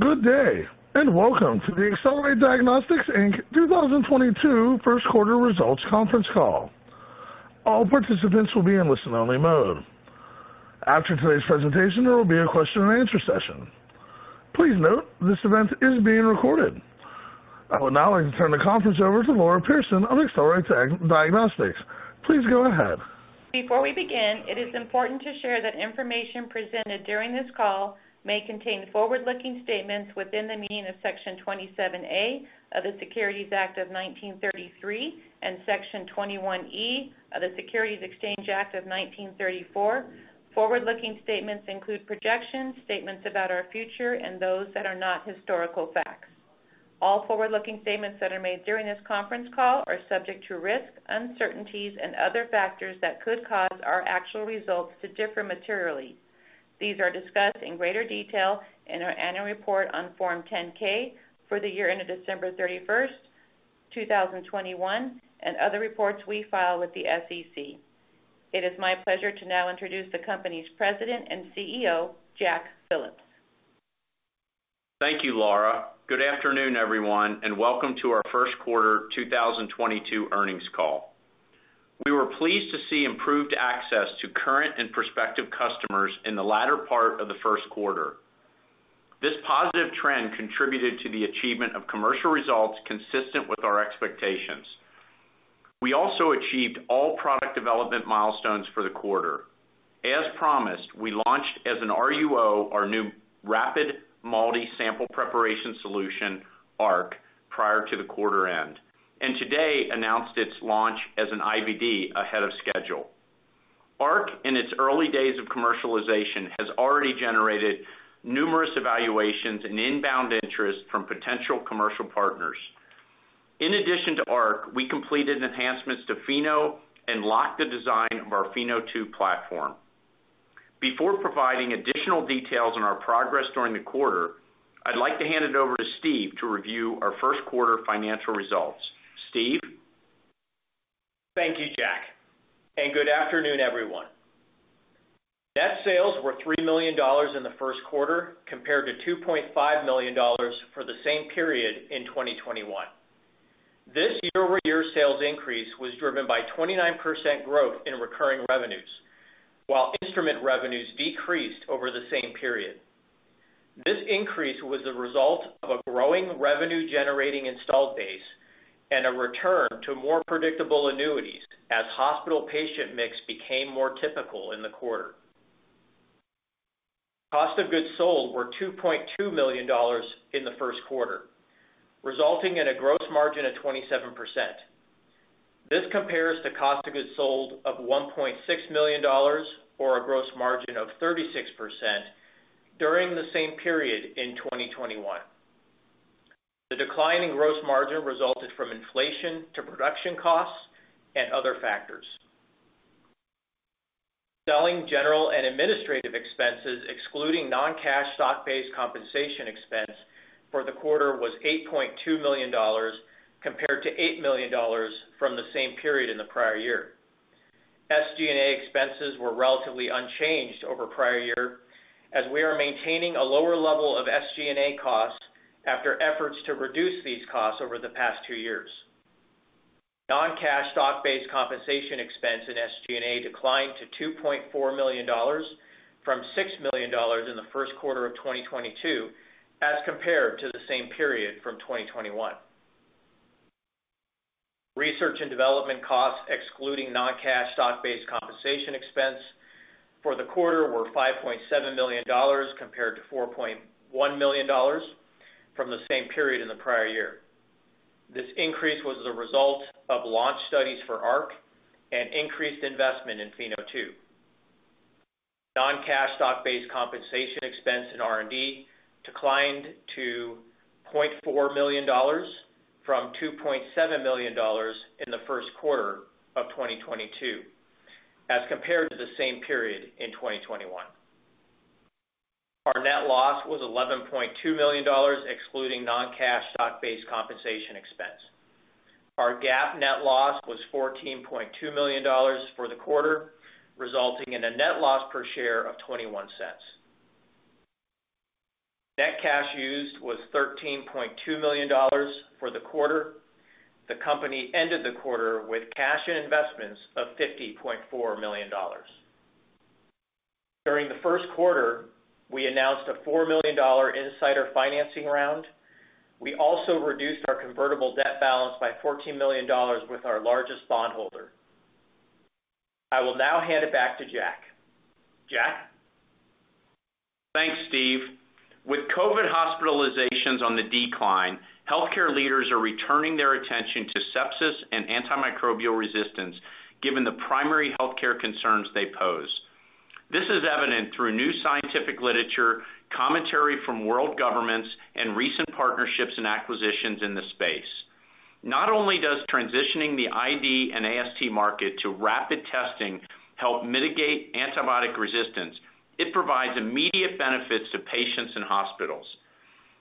Good day, and welcome to the Accelerate Diagnostics, Inc. 2022 first quarter results conference call. All participants will be in listen-only mode. After today's presentation, there will be a question and answer session. Please note this event is being recorded. I would now like to turn the conference over to Laura Pierson of Accelerate Diagnostics. Please go ahead. Before we begin, it is important to share that information presented during this call may contain forward-looking statements within the meaning of Section 27A of the Securities Act of 1933 and Section 21E of the Securities Exchange Act of 1934. Forward-looking statements include projections, statements about our future, and those that are not historical facts. All forward-looking statements that are made during this conference call are subject to risks, uncertainties, and other factors that could cause our actual results to differ materially. These are discussed in greater detail in our annual report on Form 10-K for the year ended December 31, 2021, and other reports we file with the SEC. It is my pleasure to now introduce the company's President and CEO, Jack Phillips. Thank you, Laura. Good afternoon, everyone, and welcome to our first quarter 2022 earnings call. We were pleased to see improved access to current and prospective customers in the latter part of the first quarter. This positive trend contributed to the achievement of commercial results consistent with our expectations. We also achieved all product development milestones for the quarter. As promised, we launched as an RUO our new rapid multi-sample preparation solution, ARC, prior to the quarter end. Today, announced its launch as an IVD ahead of schedule. ARC, in its early days of commercialization, has already generated numerous evaluations and inbound interest from potential commercial partners. In addition to ARC, we completed enhancements to Pheno and locked the design of our Pheno 2 platform. Before providing additional details on our progress during the quarter, I'd like to hand it over to Steve to review our first quarter financial results. Steve? Thank you, Jack, and good afternoon, everyone. Net sales were $3 million in the first quarter compared to $2.5 million for the same period in 2021. This year-over-year sales increase was driven by 29% growth in recurring revenues, while instrument revenues decreased over the same period. This increase was the result of a growing revenue-generating installed base and a return to more predictable annuities as hospital patient mix became more typical in the quarter. Cost of goods sold were $2.2 million in the first quarter, resulting in a gross margin of 27%. This compares to cost of goods sold of $1.6 million or a gross margin of 36% during the same period in 2021. The decline in gross margin resulted from inflation to production costs and other factors. Selling, general, and administrative expenses, excluding non-cash stock-based compensation expense for the quarter was $8.2 million compared to $8 million from the same period in the prior year. SG&A expenses were relatively unchanged over prior year as we are maintaining a lower level of SG&A costs after efforts to reduce these costs over the past two years. Non-cash stock-based compensation expense in SG&A declined to $2.4 million from $6 million in the first quarter of 2022 as compared to the same period from 2021. Research and development costs, excluding non-cash stock-based compensation expense for the quarter, were $5.7 million compared to $4.1 million from the same period in the prior year. This increase was the result of launch studies for ARC and increased investment in Pheno 2. Non-cash stock-based compensation expense in R&D declined to $0.4 million from $2.7 million in the first quarter of 2022 as compared to the same period in 2021. Our net loss was $11.2 million excluding non-cash stock-based compensation expense. Our GAAP net loss was $14.2 million for the quarter, resulting in a net loss per share of $0.21. Net cash used was $13.2 million for the quarter. The company ended the quarter with cash and investments of $50.4 million. During the first quarter, we announced a $4 million insider financing round. We also reduced our convertible debt balance by $14 million with our largest bondholder. I will now hand it back to Jack. Jack? Thanks Steve. With COVID hospitalizations on the decline, healthcare leaders are returning their attention to sepsis and antimicrobial resistance given the primary healthcare concerns they pose. This is evident through new scientific literature, commentary from world governments, and recent partnerships and acquisitions in the space. Not only does transitioning the ID/AST market to rapid testing help mitigate antibiotic resistance, it provides immediate benefits to patients in hospitals.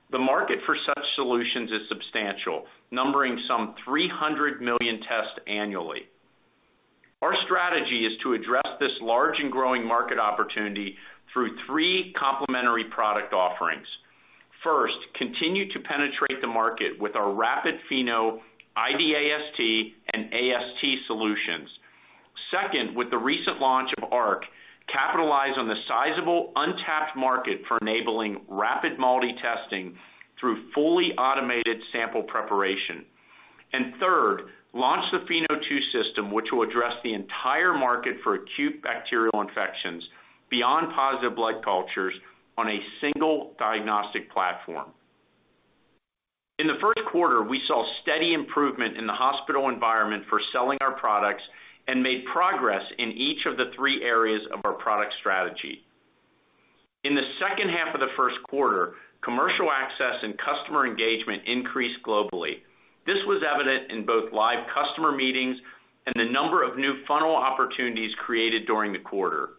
The market for such solutions is substantial, numbering some 300 million tests annually. Our strategy is to address this large and growing market opportunity through three complementary product offerings. First, continue to penetrate the market with our rapid Pheno ID/AST and AST solutions. Second, with the recent launch of ARC, capitalize on the sizable untapped market for enabling rapid MALDI testing through fully automated sample preparation. Third, launch the Pheno 2 system, which will address the entire market for acute bacterial infections beyond positive blood cultures on a single diagnostic platform. In the first quarter, we saw steady improvement in the hospital environment for selling our products and made progress in each of the three areas of our product strategy. In the second half of the first quarter, commercial access and customer engagement increased globally. This was evident in both live customer meetings and the number of new funnel opportunities created during the quarter.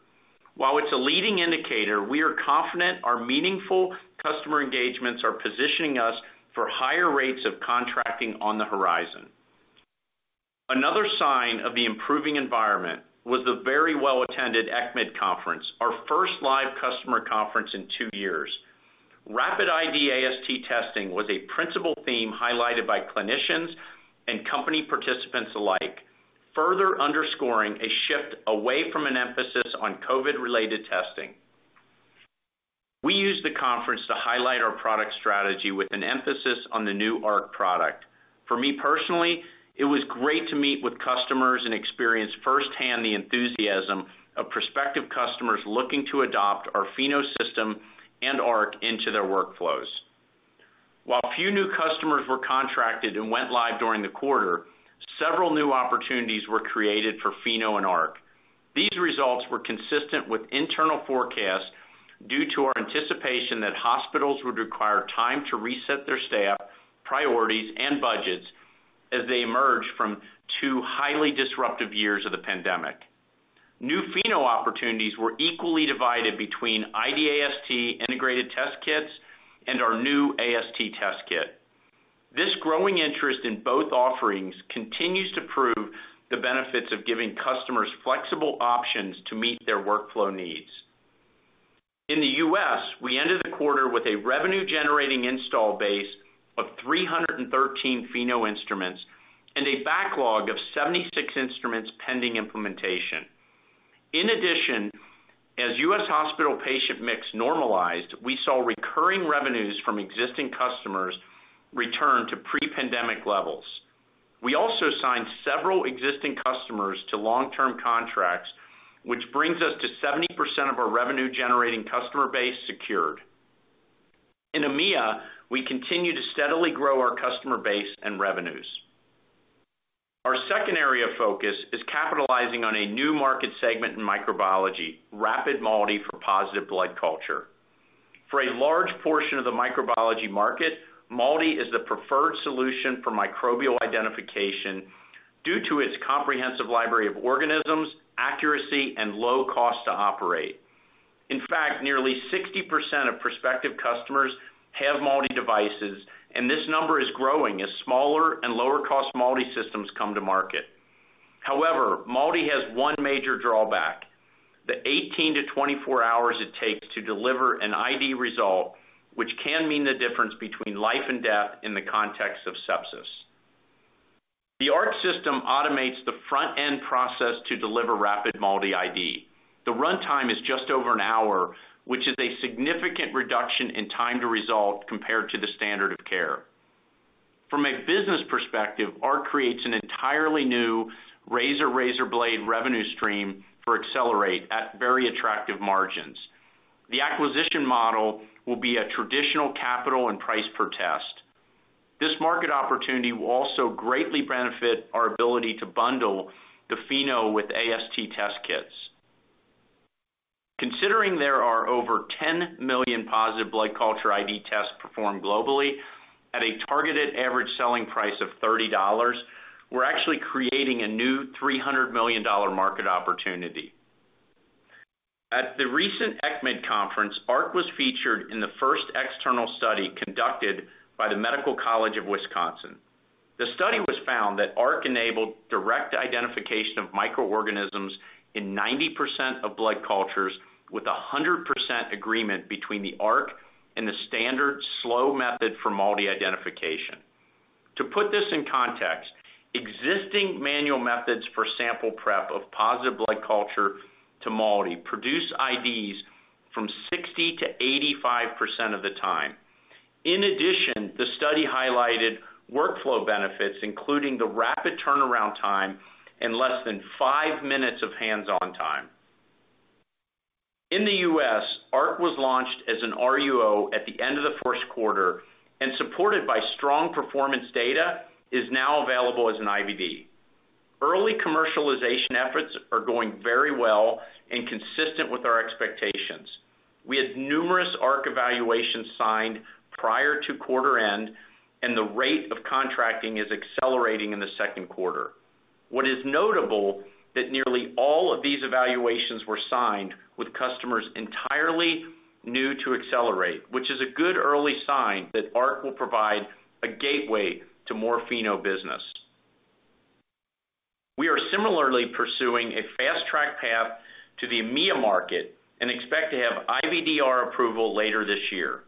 While it's a leading indicator, we are confident our meaningful customer engagements are positioning us for higher rates of contracting on the horizon. Another sign of the improving environment was the very well-attended ECCMID conference, our first live customer conference in two years. Rapid ID/AST testing was a principal theme highlighted by clinicians and company participants alike, further underscoring a shift away from an emphasis on COVID-related testing. We used the conference to highlight our product strategy with an emphasis on the new ARC product. For me personally, it was great to meet with customers and experience firsthand the enthusiasm of prospective customers looking to adopt our Pheno system and ARC into their workflows. While few new customers were contracted and went live during the quarter, several new opportunities were created for Pheno and ARC. These results were consistent with internal forecasts due to our anticipation that hospitals would require time to reset their staff, priorities, and budgets as they emerge from two highly disruptive years of the pandemic. New Pheno opportunities were equally divided between ID/AST integrated test kits and our new AST test kit. This growing interest in both offerings continues to prove the benefits of giving customers flexible options to meet their workflow needs. In the U.S., we ended the quarter with a revenue-generating installed base of 313 Pheno instruments and a backlog of 76 instruments pending implementation. In addition, as U.S. hospital patient mix normalized, we saw recurring revenues from existing customers return to pre-pandemic levels. We also signed several existing customers to long-term contracts, which brings us to 70% of our revenue-generating customer base secured. In EMEA, we continue to steadily grow our customer base and revenues. Our second area of focus is capitalizing on a new market segment in microbiology, rapid MALDI for positive blood culture. For a large portion of the microbiology market, MALDI is the preferred solution for microbial identification due to its comprehensive library of organisms, accuracy, and low cost to operate. In fact, nearly 60% of prospective customers have MALDI devices, and this number is growing as smaller and lower-cost MALDI systems come to market. However, MALDI has one major drawback, the 18-24 hours it takes to deliver an ID result, which can mean the difference between life and death in the context of sepsis. The ARC system automates the front-end process to deliver rapid MALDI ID. The run time is just over an hour, which is a significant reduction in time to result compared to the standard of care. From a business perspective, ARC creates an entirely new razor-razor blade revenue stream for Accelerate at very attractive margins. The acquisition model will be a traditional capital and price per test. This market opportunity will also greatly benefit our ability to bundle the Pheno with AST test kits. Considering there are over 10 million positive blood culture ID tests performed globally at a targeted average selling price of $30, we're actually creating a new $300 million market opportunity. At the recent ECCMID conference, ARC was featured in the first external study conducted by the Medical College of Wisconsin. The study found that ARC enabled direct identification of microorganisms in 90% of blood cultures with 100% agreement between the ARC and the standard slow method for MALDI identification. To put this in context, existing manual methods for sample prep of positive blood culture to MALDI produce IDs from 60%-85% of the time. In addition, the study highlighted workflow benefits, including the rapid turnaround time and less than five minutes of hands-on time. In the U.S., ARC was launched as an RUO at the end of the first quarter and, supported by strong performance data, is now available as an IVD. Early commercialization efforts are going very well and consistent with our expectations. We had numerous ARC evaluations signed prior to quarter end, and the rate of contracting is accelerating in the second quarter. What is notable is that nearly all of these evaluations were signed with customers entirely new to Accelerate, which is a good early sign that ARC will provide a gateway to more Pheno business. We are similarly pursuing a fast-track path to the EMEA market and expect to have IVDR approval later this year.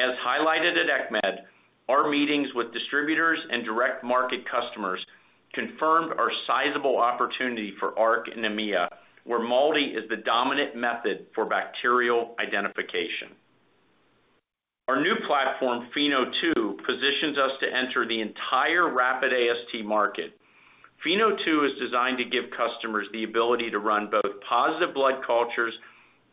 As highlighted at ECCMID, our meetings with distributors and direct market customers confirmed our sizable opportunity for ARC in EMEA, where MALDI is the dominant method for bacterial identification. Our new platform, Pheno 2.0, positions us to enter the entire rapid AST market. Pheno 2.0 is designed to give customers the ability to run both positive blood cultures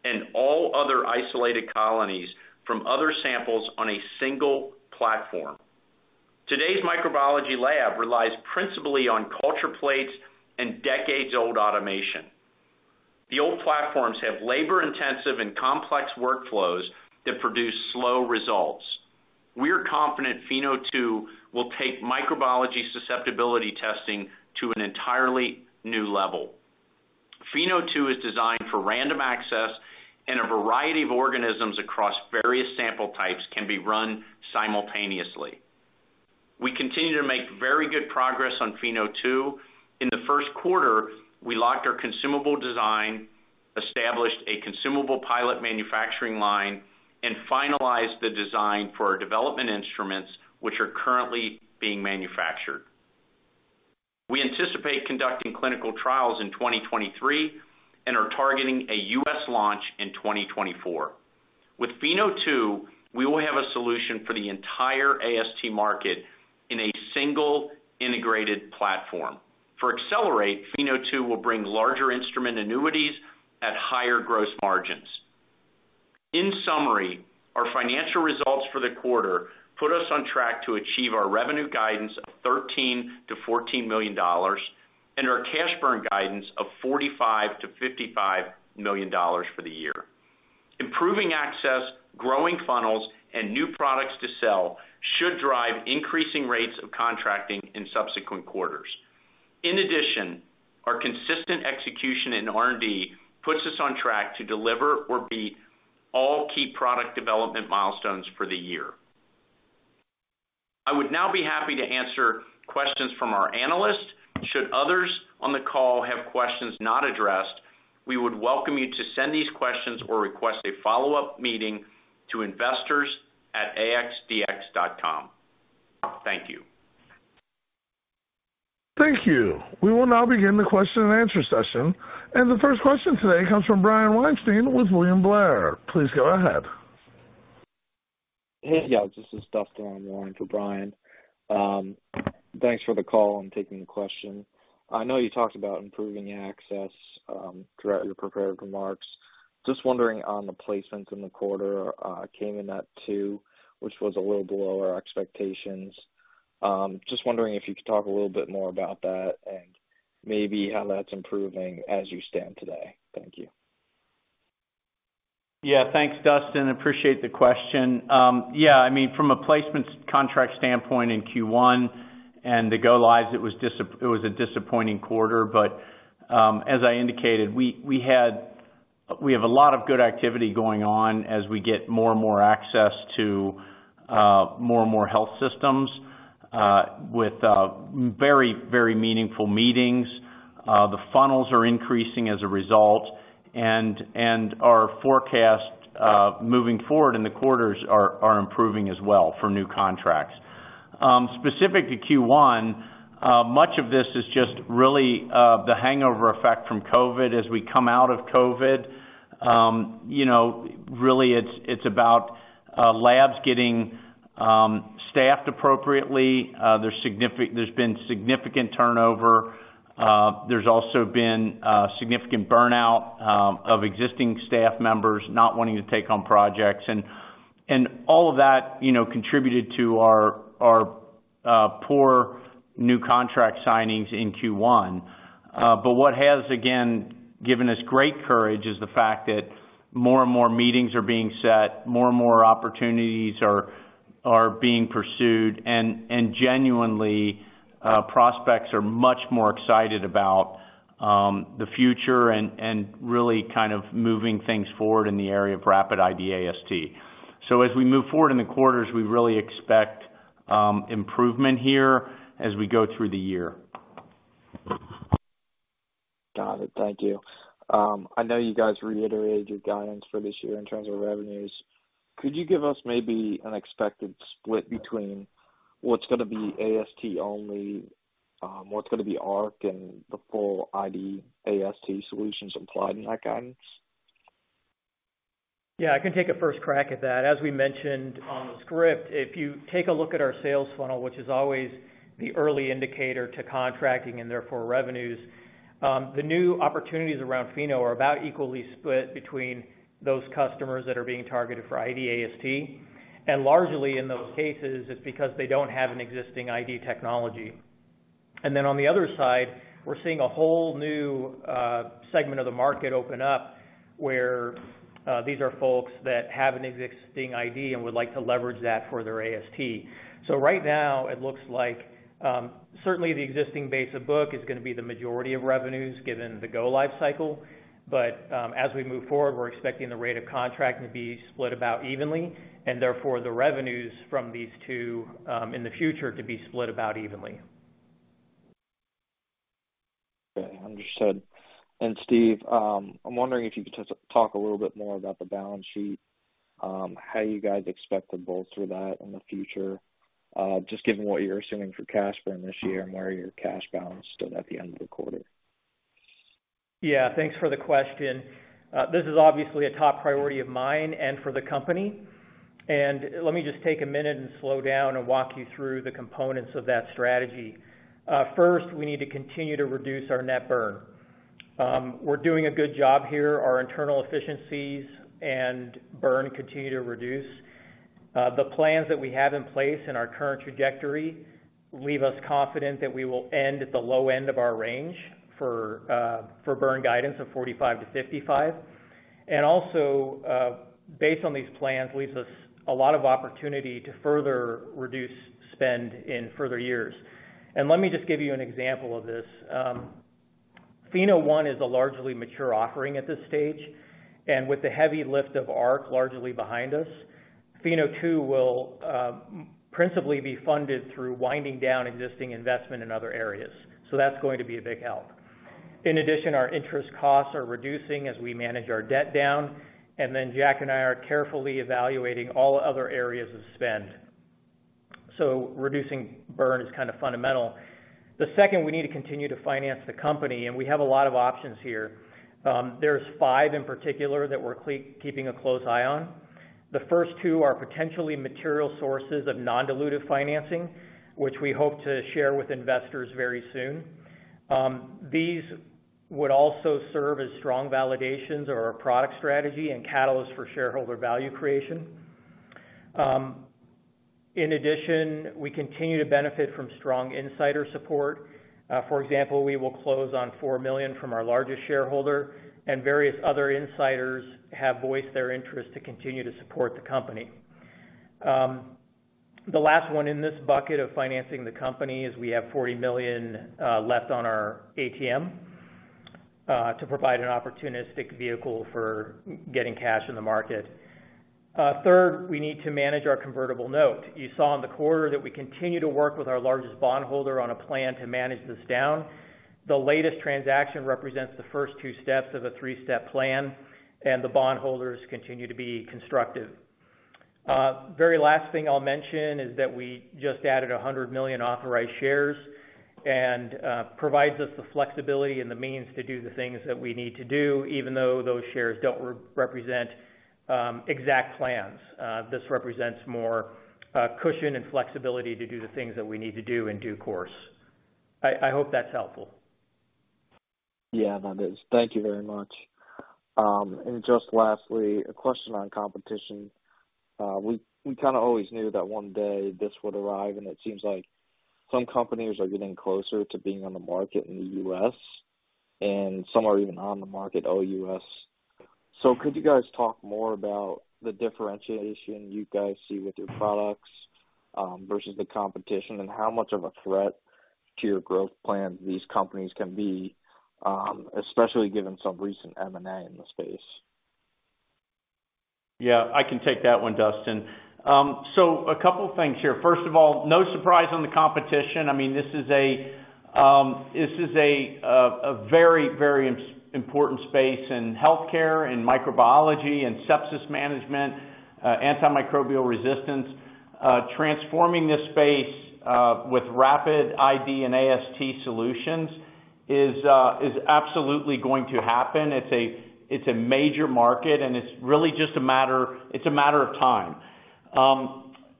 and all other isolated colonies from other samples on a single platform. Today's microbiology lab relies principally on culture plates and decades-old automation. The old platforms have labor-intensive and complex workflows that produce slow results. We are confident Pheno 2.0 will take microbiology susceptibility testing to an entirely new level. Pheno 2.0 is designed for random access, and a variety of organisms across various sample types can be run simultaneously. We continue to make very good progress on Pheno 2.0. In the first quarter, we locked our consumable design, established a consumable pilot manufacturing line, and finalized the design for our development instruments, which are currently being manufactured. We anticipate conducting clinical trials in 2023 and are targeting a U.S. launch in 2024. With Pheno 2, we will have a solution for the entire AST market in a single integrated platform. For Accelerate, Pheno 2 will bring larger instrument annuities at higher gross margins. In summary, our financial results for the quarter put us on track to achieve our revenue guidance of $13 million-$14 million and our cash burn guidance of $45 million-$55 million for the year. Improving access, growing funnels, and new products to sell should drive increasing rates of contracting in subsequent quarters. In addition, our consistent execution in R&D puts us on track to deliver or beat all key product development milestones for the year. I would now be happy to answer questions from our analysts. Should others on the call have questions not addressed, we would welcome you to send these questions or request a follow-up meeting to investors@axdx.com. Thank you. Thank you. We will now begin the question and answer session. The first question today comes from Brian Weinstein with William Blair. Please go ahead. Hey, guys. This is Dustin on the line for Brian. Thanks for the call. I'm taking the question. I know you talked about improving access throughout your prepared remarks. Just wondering on the placements in the quarter came in at two, which was a little below our expectations. Just wondering if you could talk a little bit more about that and maybe how that's improving as you stand today. Thank you. Yeah. Thanks Dustin. Appreciate the question. Yeah, I mean, from a placements contract standpoint in Q1 and the go lives, it was a disappointing quarter. As I indicated, we have a lot of good activity going on as we get more and more access to more and more health systems with very meaningful meetings. The funnels are increasing as a result, and our forecast moving forward in the quarters are improving as well for new contracts. Specific to Q1, much of this is just really the hangover effect from COVID as we come out of COVID. You know, really it's about labs getting staffed appropriately. There's been significant turnover. There's also been significant burnout of existing staff members not wanting to take on projects. All of that, you know, contributed to our poor new contract signings in Q1. What has, again, given us great courage is the fact that more and more meetings are being set, more and more opportunities are being pursued, and genuinely, prospects are much more excited about the future and really kind of moving things forward in the area of rapid ID/AST. As we move forward in the quarters, we really expect improvement here as we go through the year. Got it. Thank you. I know you guys reiterated your guidance for this year in terms of revenues. Could you give us maybe an expected split between what's gonna be AST only, what's gonna be ARC and the full ID/AST solutions implied in that guidance? Yeah, I can take a first crack at that. As we mentioned on the script, if you take a look at our sales funnel, which is always the early indicator to contracting and therefore revenues, the new opportunities around Pheno are about equally split between those customers that are being targeted for ID/AST. Largely in those cases, it's because they don't have an existing ID technology. Then on the other side, we're seeing a whole new segment of the market open up where these are folks that have an existing ID and would like to leverage that for their AST. Right now, it looks like certainly the existing base of book is gonna be the majority of revenues given the go-live cycle. As we move forward, we're expecting the rate of contract to be split about evenly, and therefore the revenues from these two, in the future to be split about evenly. Okay. Understood. Steve, I'm wondering if you could just talk a little bit more about the balance sheet, how you guys expect to bolster that in the future, just given what you're assuming for cash burn this year and where your cash balance stood at the end of the quarter? Yeah. Thanks for the question. This is obviously a top priority of mine and for the company. Let me just take a minute and slow down and walk you through the components of that strategy. First, we need to continue to reduce our net burn. We're doing a good job here. Our internal efficiencies and burn continue to reduce. The plans that we have in place and our current trajectory leave us confident that we will end at the low end of our range for burn guidance of 45-55. Also, based on these plans, leaves us a lot of opportunity to further reduce spend in further years. Let me just give you an example of this. Pheno one is a largely mature offering at this stage, and with the heavy lift of ARC largely behind us, Pheno two will principally be funded through winding down existing investment in other areas. That's going to be a big help. In addition, our interest costs are reducing as we manage our debt down, and then Jack and I are carefully evaluating all other areas of spend. Reducing burn is kind of fundamental. The second, we need to continue to finance the company, and we have a lot of options here. There's five in particular that we're keeping a close eye on. The first two are potentially material sources of non-dilutive financing, which we hope to share with investors very soon. These would also serve as strong validations of our product strategy and catalyst for shareholder value creation. In addition, we continue to benefit from strong insider support. For example, we will close on $4 million from our largest shareholder, and various other insiders have voiced their interest to continue to support the company. The last one in this bucket of financing the company is we have $40 million left on our ATM to provide an opportunistic vehicle for getting cash in the market. Third, we need to manage our convertible note. You saw in the quarter that we continue to work with our largest bondholder on a plan to manage this down. The latest transaction represents the first two steps of a three-step plan, and the bondholders continue to be constructive. Very last thing I'll mention is that we just added 100 million authorized shares and provides us the flexibility and the means to do the things that we need to do, even though those shares don't represent exact plans. This represents more cushion and flexibility to do the things that we need to do in due course. I hope that's helpful. Yeah, that is. Thank you very much. Just lastly, a question on competition. We kinda always knew that one day this would arrive, and it seems like some companies are getting closer to being on the market in the U.S., and some are even on the market OUS. Could you guys talk more about the differentiation you guys see with your products, versus the competition, and how much of a threat to your growth plan these companies can be, especially given some recent M&A in the space? Yeah, I can take that one, Dustin. So a couple things here. First of all, no surprise on the competition. I mean, this is a very important space in healthcare, in microbiology, in sepsis management, antimicrobial resistance. Transforming this space with rapid ID and AST solutions is absolutely going to happen. It's a major market, and it's really just a matter of time.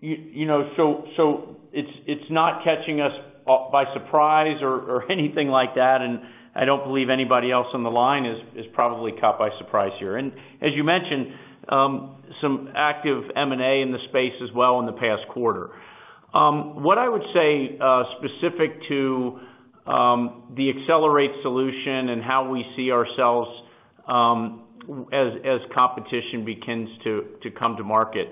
You know, so it's not catching us by surprise or anything like that, and I don't believe anybody else on the line is probably caught by surprise here. As you mentioned, some active M&A in the space as well in the past quarter. What I would say, specific to the Accelerate solution and how we see ourselves, as competition begins to come to market.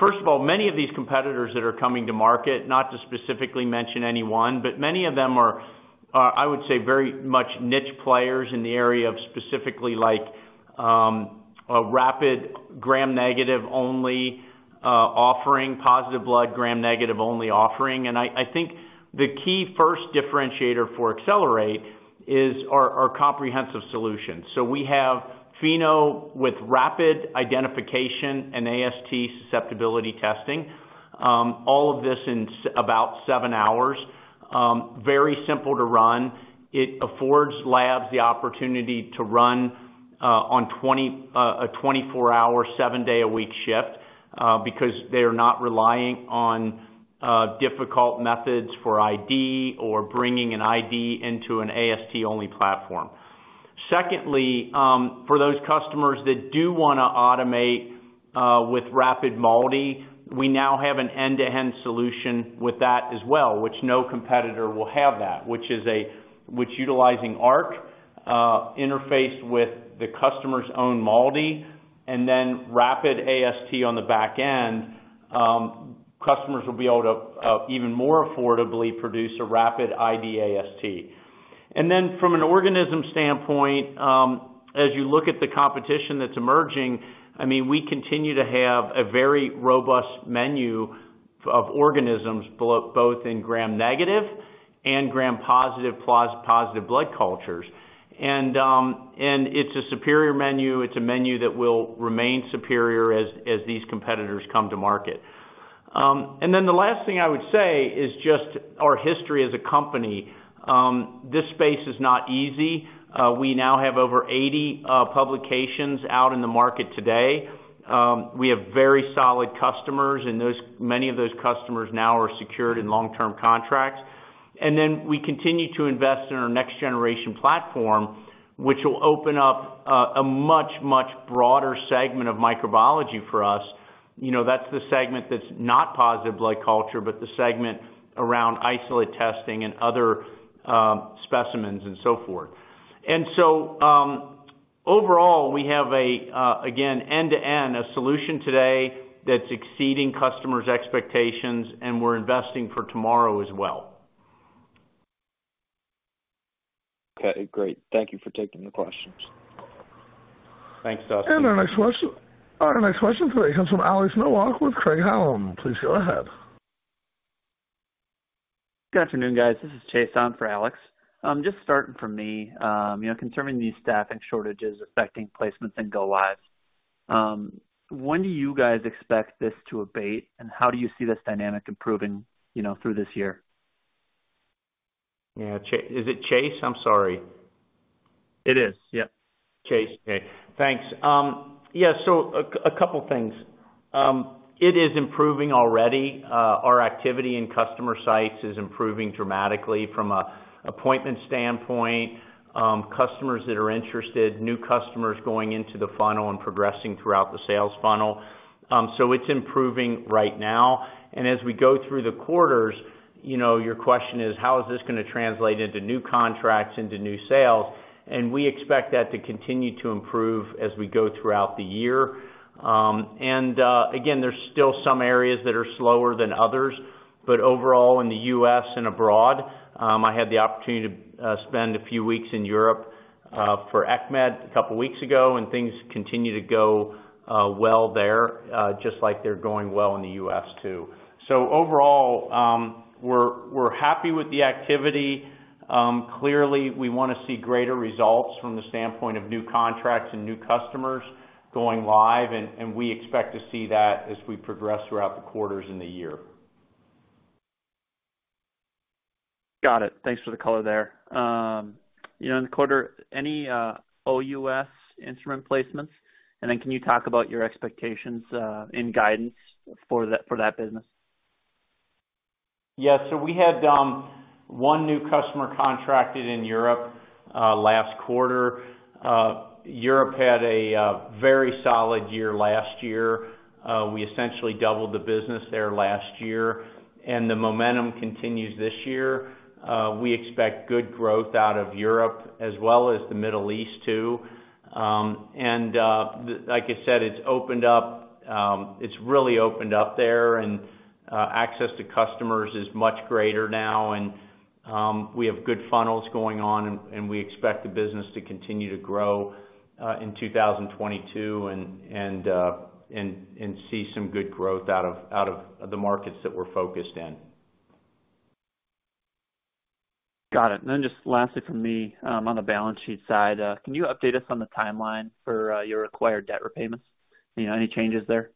First of all, many of these competitors that are coming to market, not to specifically mention any one, but many of them are, I would say, very much niche players in the area of specifically like a rapid Gram-negative only offering, positive blood Gram-negative only offering. I think the key first differentiator for Accelerate is our comprehensive solution. We have Pheno with rapid identification and AST susceptibility testing. All of this in about seven hours. Very simple to run. It affords labs the opportunity to run on a 24-hour, seven-day-a-week shift because they are not relying on difficult methods for ID or bringing an ID into an AST-only platform. Secondly, for those customers that do wanna automate with rapid MALDI, we now have an end-to-end solution with that as well, which no competitor will have that, which utilizing ARC interfaced with the customer's own MALDI, and then rapid AST on the back end, customers will be able to even more affordably produce a rapid ID AST. From an organism standpoint, as you look at the competition that's emerging, I mean, we continue to have a very robust menu of organisms both in Gram-negative and Gram-positive blood cultures. It's a superior menu. It's a menu that will remain superior as these competitors come to market. The last thing I would say is just our history as a company, this space is not easy. We now have over 80 publications out in the market today. We have very solid customers, and those many of those customers now are secured in long-term contracts. We continue to invest in our next generation platform, which will open up a much broader segment of microbiology for us. You know, that's the segment that's not positive blood culture, but the segment around isolate testing and other specimens and so forth. Overall, we have, again, an end-to-end solution today that's exceeding customers' expectations, and we're investing for tomorrow as well. Okay, great. Thank you for taking the questions. Thanks Dustin. Our next question today comes from Alex Nowak with Craig-Hallum. Please go ahead. Good afternoon, guys. This is Chase on for Alex. Just starting from me, you know, concerning these staffing shortages affecting placements and go lives, when do you guys expect this to abate, and how do you see this dynamic improving, you know, through this year? Yeah, is it Chase? I'm sorry. It is, yep. Okay, thanks. Yeah, a couple things. It is improving already. Our activity in customer sites is improving dramatically from an appointment standpoint, customers that are interested, new customers going into the funnel and progressing throughout the sales funnel. It's improving right now. As we go through the quarters, you know, your question is: How is this gonna translate into new contracts, into new sales? We expect that to continue to improve as we go throughout the year. Again, there's still some areas that are slower than others. Overall, in the U.S. and abroad, I had the opportunity to spend a few weeks in Europe for ECCMID a couple weeks ago, and things continue to go well there, just like they're going well in the U.S. too. Overall, we're happy with the activity. Clearly, we wanna see greater results from the standpoint of new contracts and new customers going live, and we expect to see that as we progress throughout the quarters in the year. Got it. Thanks for the color there. You know, in the quarter, any OUS instrument placements, and then can you talk about your expectations and guidance for that business? Yeah. We had one new customer contracted in Europe last quarter. Europe had a very solid year last year. We essentially doubled the business there last year, and the momentum continues this year. We expect good growth out of Europe as well as the Middle East too. Like I said, it's opened up. It's really opened up there, and access to customers is much greater now. We have good funnels going on, and we expect the business to continue to grow in 2022 and see some good growth out of the markets that we're focused in. Got it. Just lastly from me, on the balance sheet side, can you update us on the timeline for your acquired debt repayments? You know, any changes there?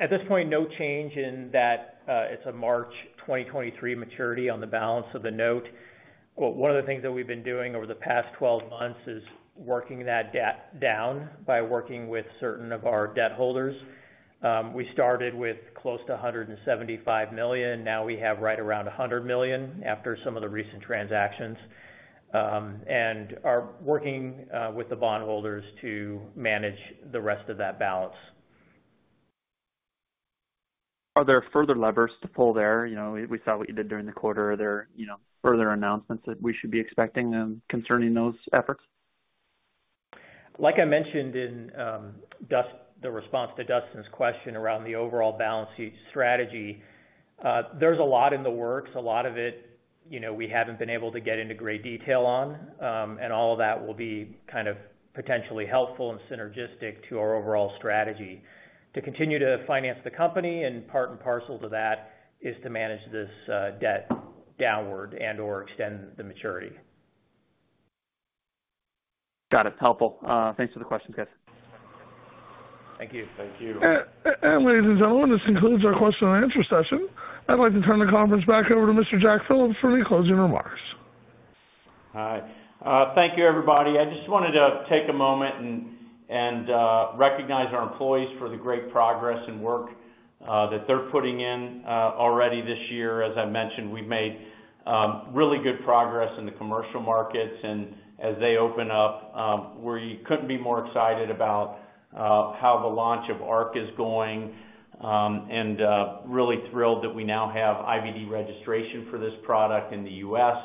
At this point, no change in that. It's a March 2023 maturity on the balance of the note. Well, one of the things that we've been doing over the past 12 months is working that debt down by working with certain of our debt holders. We started with close to $175 million. Now we have right around $100 million after some of the recent transactions, and are working with the bond holders to manage the rest of that balance. Are there further levers to pull there? You know, we saw what you did during the quarter. Are there, you know, further announcements that we should be expecting, concerning those efforts? Like I mentioned in the response to Dustin's question around the overall balance sheet strategy, there's a lot in the works, a lot of it, you know, we haven't been able to get into great detail on, and all of that will be kind of potentially helpful and synergistic to our overall strategy. To continue to finance the company and part and parcel to that is to manage this debt downward and/or extend the maturity. Got it. Helpful. Thanks for the questions, guys. Thank you. Ladies and gentlemen, this concludes our question and answer session. I'd like to turn the conference back over to Mr. Jack Phillips for any closing remarks. All right. Thank you, everybody. I just wanted to take a moment and recognize our employees for the great progress and work that they're putting in already this year. As I mentioned, we've made really good progress in the commercial markets, and as they open up, we couldn't be more excited about how the launch of ARC is going, and really thrilled that we now have IVD registration for this product in the U.S.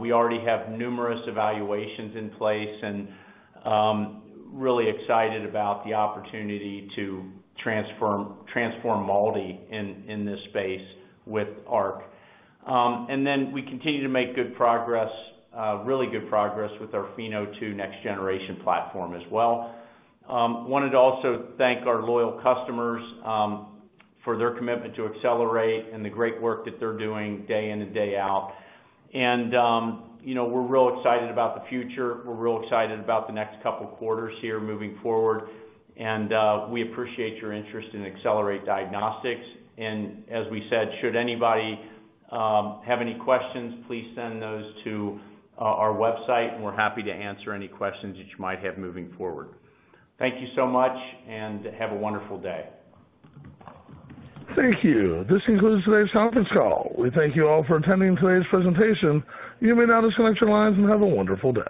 We already have numerous evaluations in place and really excited about the opportunity to transform MALDI in this space with ARC. We continue to make good progress, really good progress with our Pheno 2 next generation platform as well. Wanted to also thank our loyal customers for their commitment to Accelerate and the great work that they're doing day in and day out. You know, we're real excited about the future. We're real excited about the next couple quarters here moving forward. We appreciate your interest in Accelerate Diagnostics. As we said, should anybody have any questions, please send those to our website, and we're happy to answer any questions that you might have moving forward. Thank you so much, and have a wonderful day. Thank you. This concludes today's conference call. We thank you all for attending today's presentation. You may now disconnect your lines and have a wonderful day.